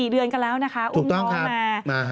๔เดือนกันแล้วนะคะอุ้มน้องมา